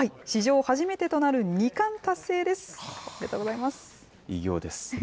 史上初めてとなる、２冠達成です。